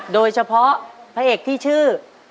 โดยเฉพาะพระเอกที่ชื่อ